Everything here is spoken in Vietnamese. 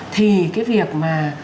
thì cái việc mà